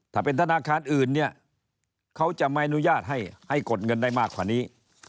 ถ้าเป็นธนาคารอื่นเนี่ยเขาจะไม่อนุญาตให้กดเงินได้มากกว่านี้